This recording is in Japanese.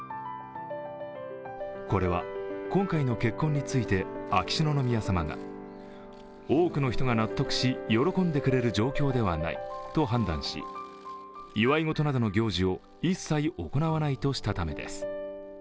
これは今回の結婚について秋篠宮さまが多くの人が納得し、喜んでくれる状況ではないと判断し、祝い事などの行事を一切行わないとしたためです。